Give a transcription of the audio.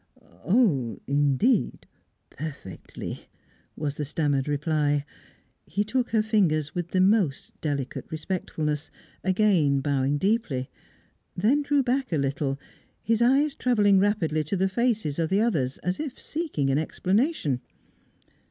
"Oh indeed perfectly," was the stammered reply. He took her fingers with the most delicate respectfulness, again bowing deeply; then drew back a little, his eyes travelling rapidly to the faces of the others, as if seeking an explanation.